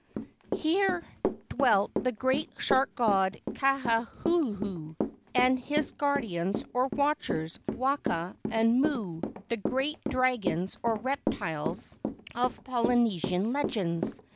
Here dwelt the great shark god Kauhuhu and his guardians or watch¬ ers, Waka and Mo o, the great dragons or reptiles 52 LEGENDS OF GHOSTS of Polynesian legends.